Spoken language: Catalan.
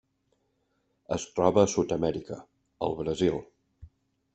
Es troba a Sud-amèrica: el Brasil.